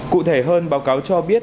cụ thể hơn báo cáo cho biết